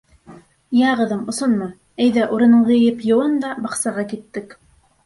— Йә, ҡыҙым, осонма, әйҙә, урыныңды йыйып йыуын да, баҡсаға киттек.